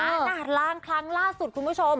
ขนาดล่างครั้งล่าสุดคุณผู้ชม